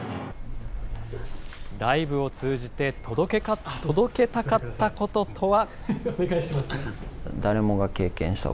ライブを通じて届けたかったこととは。